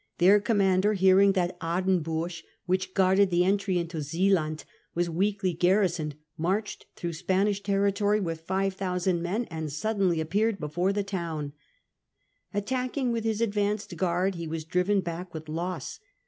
Their commander, Zealanders ^ ear ' n S that Aardenburg, which guarded the at entry into Zealand, was weakly garrisoned, Aardenburg. marc h e( i through Spanish territory with 5,000 men and suddenly appeared before the town. Attacking with his advanced guard, he was driven back with loss.